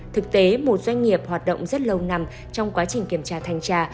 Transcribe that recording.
thực tế một doanh nghiệp hoạt động rất lâu nằm trong quá trình kiểm tra thanh tra